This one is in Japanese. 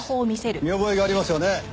見覚えがありますよね？